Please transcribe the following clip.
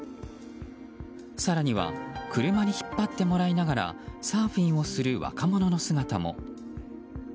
更には車に引っ張ってもらいながらサーフィンをする若者の姿も。